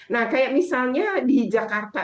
nah kayak misalnya di jakarta